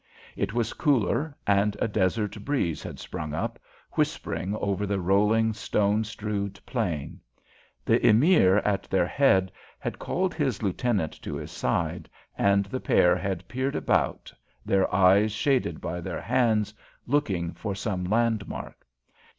It was cooler, and a desert breeze had sprung up, whispering over the rolling, stone strewed plain. The Emir at their head had called his lieutenant to his side, and the pair had peered about, their eyes shaded by their hands, looking for some landmark.